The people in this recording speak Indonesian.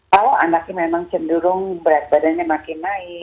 kalau anaknya memang cenderung berat badannya makin naik